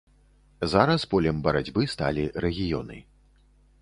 Зараз полем барацьбы сталі рэгіёны.